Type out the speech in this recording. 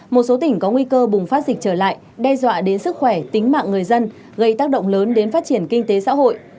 một số tỉnh có nguy cơ bùng phát dịch trở lại đe dọa đến sức khỏe tính mạng người dân gây tác động lớn đến phát triển kinh tế xã hội